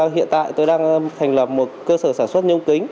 hiện tại tôi đang thành lập một cơ sở sản xuất nhôm kính